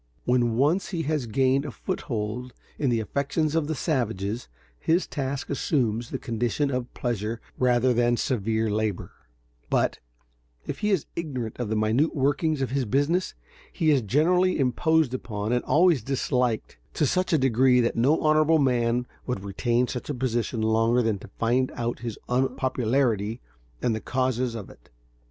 When once he has gained a foothold in the affections of the savages, his task assumes the condition of pleasure rather than severe labor; but, if he is ignorant of the minute workings of his business, he is generally imposed upon and always disliked to such a degree that no honorable man would retain such a position longer than to find out his unpopularity and the causes of it.